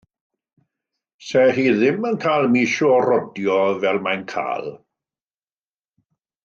Fase hi ddim yn cael mis o rodio fel mae hi yn cael.